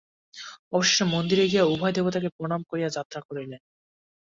অবশেষে মন্দিরে গিয়া উভয়ে দেবতাকে প্রণাম করিয়া যাত্রা করিলেন।